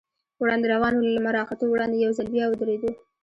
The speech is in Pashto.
وړاندې روان و، له لمر راختو وړاندې یو ځل بیا ودرېدو.